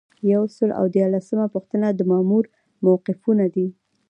یو سل او دیارلسمه پوښتنه د مامور موقفونه دي.